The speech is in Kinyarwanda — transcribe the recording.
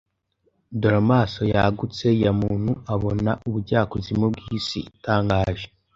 dore amaso yagutse ya Muntu abona ubujyakuzimu bw'isi itangaje!